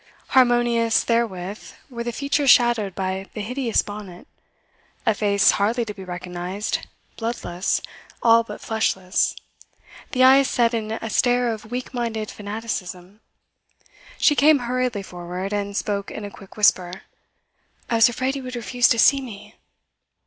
Harmonious therewith were the features shadowed by the hideous bonnet: a face hardly to be recognised, bloodless, all but fleshless, the eyes set in a stare of weak minded fanaticism. She came hurriedly forward, and spoke in a quick whisper. 'I was afraid you would refuse to see me.